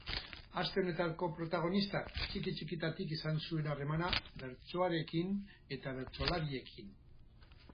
Aste honetako protagonistak txiki txikitatik izan zuen harremana bertsoarekin eta bertsolariekin.